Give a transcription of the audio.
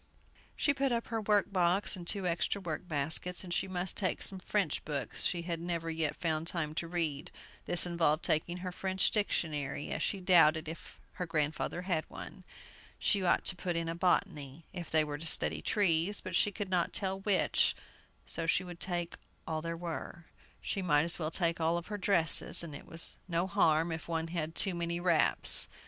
She put up her work box and two extra work baskets, and she must take some French books she had never yet found time to read. This involved taking her French dictionary, as she doubted if her grandfather had one. She ought to put in a "Botany," if they were to study trees; but she could not tell which, so she would take all there were. She might as well take all her dresses, and it was no harm if one had too many wraps.